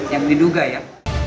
yang diduga ya